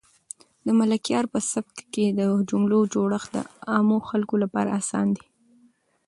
د ملکیار په سبک کې د جملو جوړښت د عامو خلکو لپاره اسان دی.